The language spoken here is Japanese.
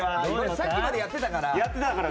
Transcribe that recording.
さっきまでやってたから。